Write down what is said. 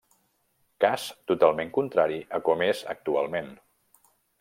Cas totalment contrari a com és actualment.